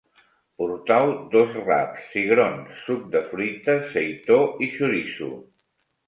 Portau dos raps, cigrons, suc de fruita, seitó i xoriço